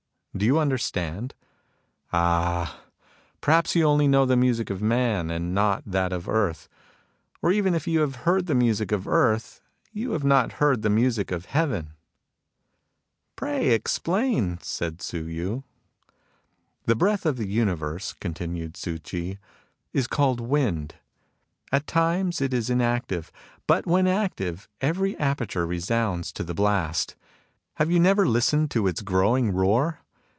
... Do you understand ?... Ah ! perhaps you only know the music of Man, and not that of Earth. Or even if you have heard the music of Earth, you have not heard the music of Heaven." " Pray explain," said Tzu Yu. " The breath of the universe," continued Tzu Ch'i, " is called wind. At times, it is inactive. But when active, every aperture resounds to the blast. Have you never listened to its growing roar